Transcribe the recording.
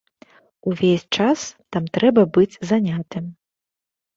Увесь час там трэба быць занятым.